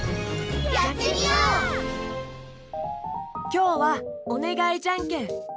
きょうは「おねがいじゃんけん」。